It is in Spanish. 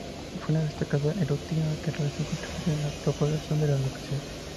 Fue una destacada erudita que realizó contribuciones a la propagación de la educación.